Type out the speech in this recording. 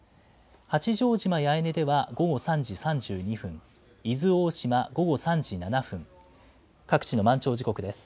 八丈島八重根では午後３時３２分、伊豆大島午後３時７分、各地の満潮時刻です。